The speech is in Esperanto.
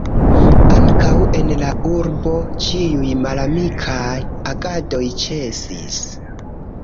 Ankaŭ en la urbo, ĉiuj malamikaj agadoj ĉesis.